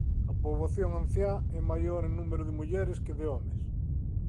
A poboación anciá é maior en número de mulleres que de homes.